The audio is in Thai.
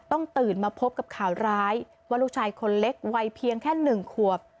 ต้องตื่นมาพบกับข่าวร้ายวรุชายคนเล็กวัยเพียงแค่หนึ่งขวบ